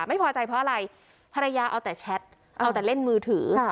ไม่พอใจเพราะอะไรภรรยาเอาแต่แชทเอาแต่เล่นมือถือ